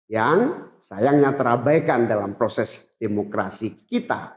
yang sayangnya terabaikan dalam proses demokrasi kita